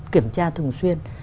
kiểm tra thường xuyên